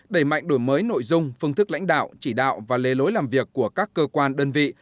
đẩy mạnh đổi mới nội dung phương thức lãnh đạo chỉ đạo và lề lối làm việc của các cơ quan đơn vị